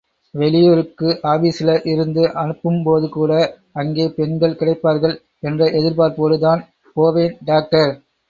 வெளியூருக்கு ஆபீஸ்ல இருந்து அனுப்பும்போதுகூட, அங்கே பெண்கள் கிடைப்பார்கள் என்கிற எதிர்பார்ப்போடு தான் போவேன் டாக்டர்.